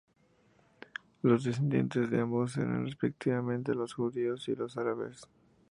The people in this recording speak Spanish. Los descendientes de ambos serán respectivamente los Judíos y los árabes.